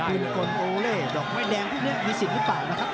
วินกลโอเล่ดอกไม้แดงพวกนี้มีสิทธิ์หรือเปล่านะครับ